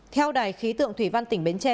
theo đài khí tượng thủy văn tỉnh bến tre